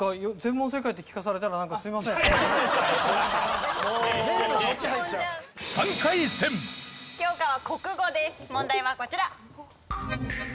問題はこちら。